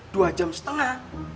dua jam setengah